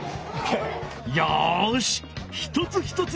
よし一つ一つ